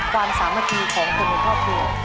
ความสามารถดีของคนในครอบครัว